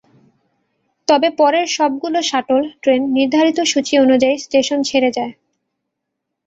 তবে পরের সবগুলো শাটল ট্রেন নির্ধারিত সূচি অনুযায়ী স্টেশন ছেড়ে যায়।